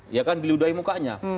ya kan diludahi mukanya